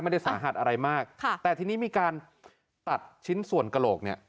ไม่ได้สาหัสอะไรมากค่ะแต่ทีนี้มีการตัดชิ้นส่วนกระโหลกเนี่ย